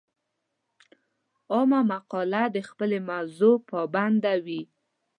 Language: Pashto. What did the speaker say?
عامه مقاله د خپلې موضوع پابنده وي.